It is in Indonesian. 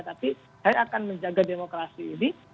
tapi saya akan menjaga demokrasi ini